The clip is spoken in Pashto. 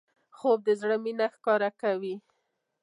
خوب د زړه مینه ښکاره کوي